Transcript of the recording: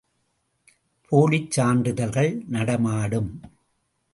போலிச் சான்றிதழ்கள் நடமாடும்.